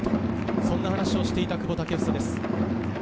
そんな話をしていた久保建英です。